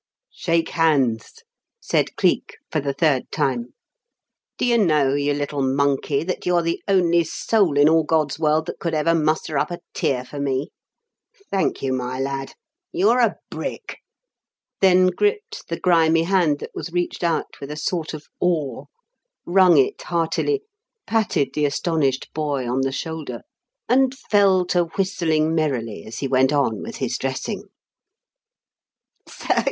"Shake hands," said Cleek for the third time. "Do you know, you little monkey, that you're the only soul in all God's world that could ever muster up a tear for me? Thank you, my lad you're a brick!" then gripped the grimy hand that was reached out with a sort of awe, wrung it heartily, patted the astonished boy on the shoulder; and fell to whistling merrily as he went on with his dressing.